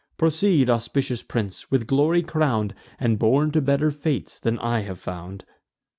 Proceed, auspicious prince, with glory crown'd, And born to better fates than I have found."